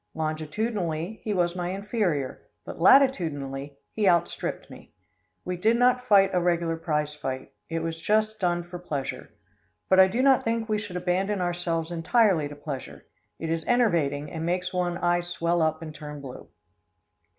Longitudinally he was my inferior, but latitudinally he outstripped me. We did not fight a regular prize fight. It was just done for pleasure. But I do not think we should abandon ourselves entirely to pleasure. It is enervating, and makes one eye swell up and turn blue.